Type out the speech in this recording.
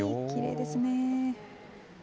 きれいですね。